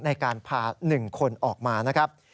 ในการพา๑คนออกมานะครับ